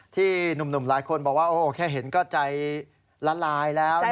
ที่หนุ่มหลายคนบอกว่าแค่เห็นก็ใจละลายแล้ว